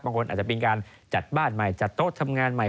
บางคนอาจจะเป็นการจัดบ้านใหม่จัดโต๊ะทำงานใหม่